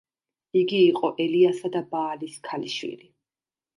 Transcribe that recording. იგი იყო ელიასა და ბაალის ქალიშვილი.